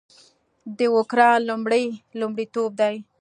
د اوکراین لومړی لومړیتوب دی